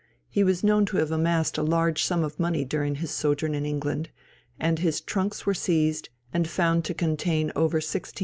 He was known to have amassed a large sum of money during his sojourn in England, and his trunks were seized, and found to contain over £1,600.